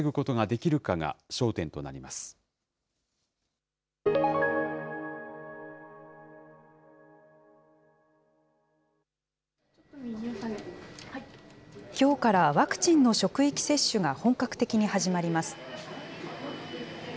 きょうからワクチンの職域接種が本格的に始まります。